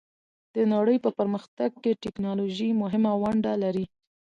د نړۍ په پرمختګ کې ټیکنالوژي مهمه ونډه لري.